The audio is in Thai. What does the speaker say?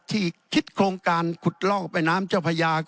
ที่คิดโครงการขุดลอกแม่น้ำเจ้าพญา